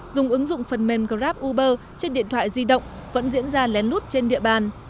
dùng ứng dụng phần mềm grab uber trên điện thoại di động vẫn diễn ra lén lút trên địa bàn